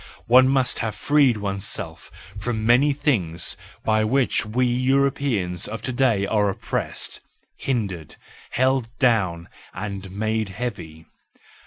One must have freed oneself from many things by which we Europeans of to day are oppressed, hindered, held down, and made heavy.